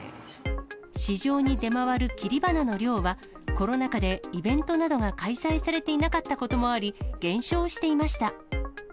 市場に出回る切り花の量は、コロナ禍でイベントなどが開催されていなかったこともあり、減少していました。